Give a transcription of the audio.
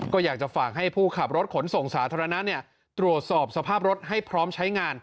ก็อยากจะฝากให้ผู้ขับรถขนส่งสาธารณะตรวจสอบสภาพรถให้พร้อมใช้งาน